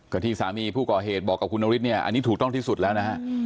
ก็ที่สามีผู้ก่อเหตุบอกกับคุณนฤทธิเนี่ยอันนี้ถูกต้องที่สุดแล้วนะฮะ